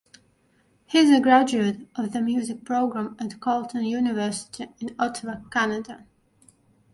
He is a graduate of the music program at Carleton University in Ottawa, Canada.